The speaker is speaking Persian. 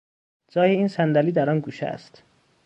جای این صندلی در آن گوشه است.